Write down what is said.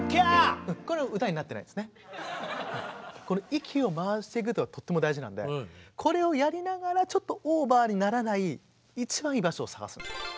息を回していくことがとっても大事なのでこれをやりながらちょっとオーバーにならない一番いい場所を探すんです。